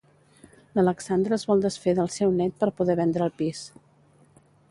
L'Alexandra es vol desfer del seu net per poder vendre el pis.